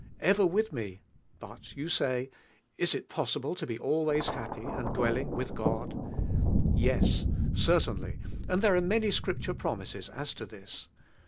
"Ever with He"; but, yon say, "in U iiossii.ie to i>. always happy and dwelling with God?" Yes, certainly and there are many Scripture promises as to this.